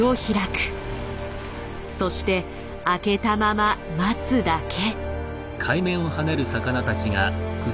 そして開けたまま待つだけ。